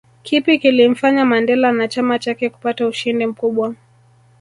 Kipi kilimfanya Mandela na chama chake kupata ushindi mkubwa